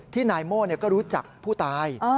นายโม่ก็รู้จักผู้ตาย